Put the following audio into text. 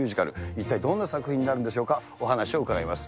一体どんな作品になるんでしょうか、お話を伺います。